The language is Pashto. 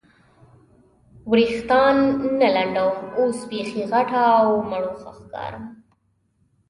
وریښتان نه لنډوم، اوس بیخي غټه او مړوښه ښکارم.